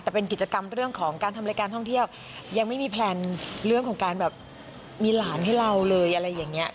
แต่เป็นกิจกรรมเรื่องของการทำรายการท่องเที่ยวยังไม่มีแพลนเรื่องของการแบบมีหลานให้เราเลยอะไรอย่างนี้